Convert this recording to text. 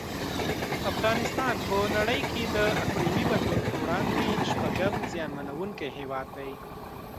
افغانستان په نړۍ کې د اقلیمي بدلون په وړاندې شپږم زیانمنونکی هیواد دی.